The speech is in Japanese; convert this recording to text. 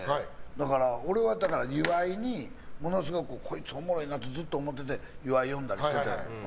だから俺は岩井にものすごいこいつ、おもろいなとずっと思ってて岩井呼んだりしてた。